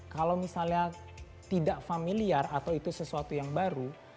kalau misalnya tidak familiar atau itu sesuatu yang baru